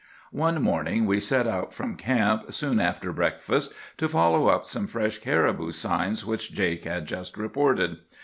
"One morning we set out from camp soon after breakfast to follow up some fresh caribou signs which Jake had just reported.